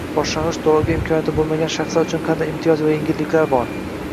boshlang‘ich to‘lovga imkoniyati bo‘lmagan shaxslar uchun qanday imtiyoz va yengilliklar bor?